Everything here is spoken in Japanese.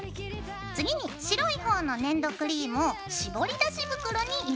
次に白い方の粘土クリームをしぼり出し袋に入れるよ。